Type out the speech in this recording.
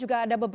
oke pak beni